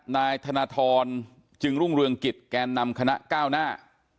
นายธนทรจึงรุ่งเรืองกิจแก่นำคณะก้าวหน้า